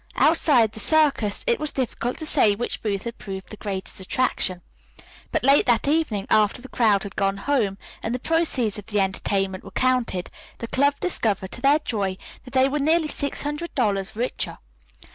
Outside the circus it was difficult to say which booth had proved the greatest attraction. But late that evening, after the crowd had gone home and the proceeds of the entertainment were counted, the club discovered to their joy that they were nearly six hundred dollars richer.